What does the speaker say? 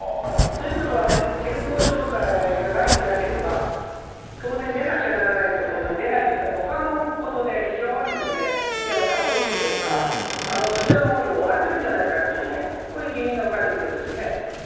ということは、健康状態が害してなければ、当然、出なくちゃならないところに出ないというのは、ほかのことで非常にいわば多忙というんでしょうか、そちらのほうに追われてるんじゃないかというね、こういう疑念が浮かんでくるんですね。